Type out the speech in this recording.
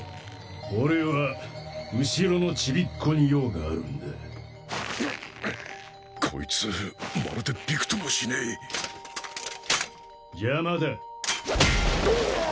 俺は後ろのちびっ子に用があるんだこいつまるでびくともしねえ邪魔だぐわっ！